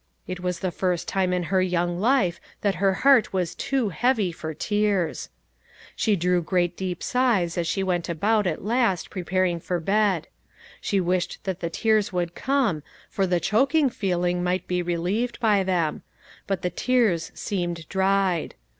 It was the first time in her young life that her heart was too heavy for tears. She drew great deep sighs as she went about, at last, preparing for bed ; she wished that the tears would come, for the chok ing feeling might be relieved by them ; but the tears seemed dried.